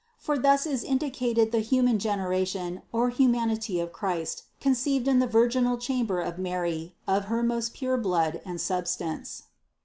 For thus is indicated the human generation or humanity of Christ conceived in the virginal chamber of Mary of her most pure blood and substance.